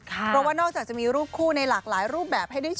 เพราะว่านอกจากจะมีรูปคู่ในหลากหลายรูปแบบให้ได้ชม